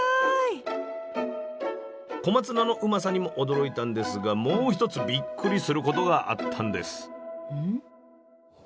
スタジオ小松菜のうまさにも驚いたんですがもう一つびっくりすることがあったんです。